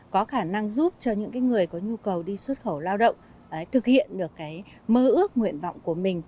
có khả năng giúp cho những người có nhu cầu đi xuất khẩu lao động thực hiện được mơ ước nguyện vọng của mình